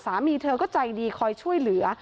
สามีเธอก็ใจดีคอยช่วยเหลือ